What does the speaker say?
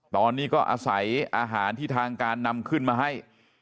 ตอนนี้ก็อาศัยอาหารที่ทางการนำขึ้นมาให้